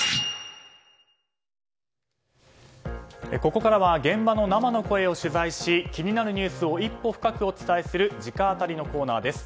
ここからは現場の生の声を取材し気になるニュースを一歩深くお伝えする直アタリのコーナーです。